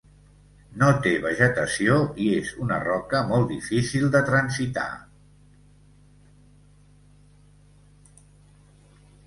No té vegetació i és una roca molt difícil de transitar.